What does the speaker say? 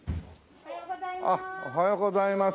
おはようございます。